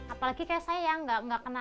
apalagi kayak saya yang enggak kenalan